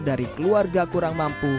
dari keluarga kurang mampu